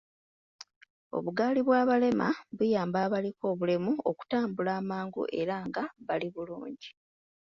Obugaali bw'abalema buyamba abaliko obulemu okutambula amangu era nga bali bulungi.